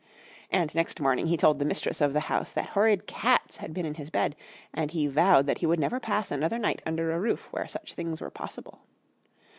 And next morning he told the Mistress of the house that horrid CATS had been in his bed, and he vowed that he would never pass another night under a roof where such things were possible.